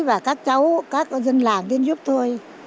và các cháu các dân làng đến giúp tôi